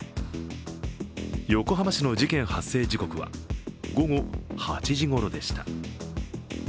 横浜市の事件発生時刻は午後８時ごろでした。